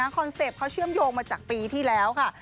เซ็ปต์เขาเชื่อมโยงมาจากปีที่แล้วค่ะ